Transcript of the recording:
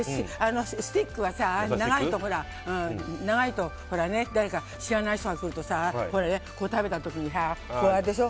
スティックは長いと誰か知らない人が来ると食べた時にあれでしょ。